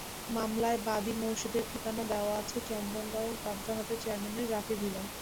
মামলায় বাদী মোরশেদের ঠিকানা দেওয়া আছে চান্দগাঁও থানাধীন বহদ্দারহাটের চেয়ারম্যানঘাটার রাফি ভিলা।